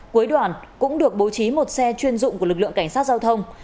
cuối đoàn cũng được bố trí một xe chuyên dụng của lực lượng cảnh sát giao thông